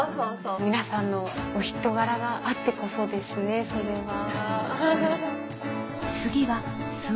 皆さんのお人柄があってこそですねそれは。